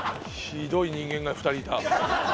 ひどい人間が２人いた。